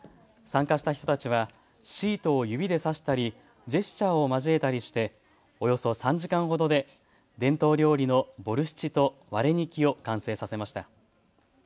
参加した人たちはシートを指でさしたりジェスチャーを交えたりしておよそ３時間ほどで伝統料理のボルシチとワレニキを完成させました。